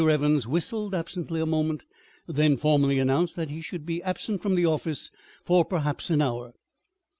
Evans whistled absently a moment, then formally announced that he should be absent from the office for perhaps an hour.